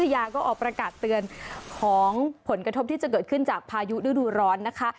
อยากเตือนของผลกระทบที่จะเกิดขึ้นจากพายุรู้รู้ร้อนนะคะ